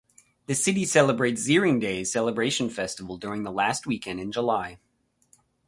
The city celebrates Zearing Days Celebration festival during the last weekend in July.